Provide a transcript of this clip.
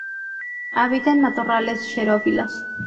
Habita en matorrales xerófilos.